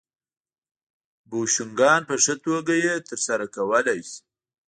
بوشونګان په ښه توګه یې ترسره کولای شي